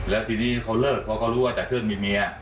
แล้วทีนี้เขาเลิกเพราะเขารู้ว่าแต่เพื่อนมีเมีย